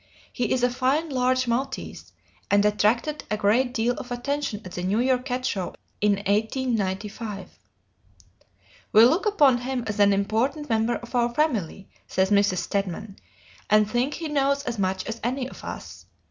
He is a fine large maltese, and attracted a great deal of attention at the New York Cat Show in 1895. "We look upon him as an important member of our family," says Mrs. Stedman, "and think he knows as much as any of us.